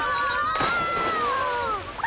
あ！